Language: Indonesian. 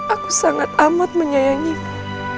aku sangat amat menyayangimu